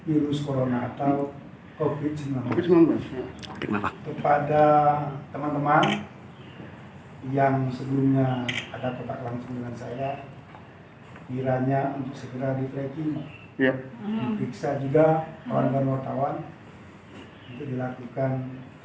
ilyas panji mengatakan